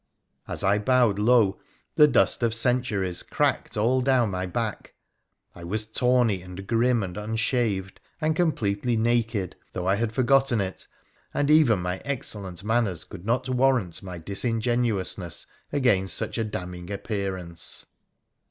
As I bowed low the dust of centuries cracked all down my back. I was tawny, and grim, and unshaved, and completely naked — though I had forgotten it — and even my excellent manners could not warrant my disingenuousness against such a damning appearance.